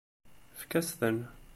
Efk-as-ten.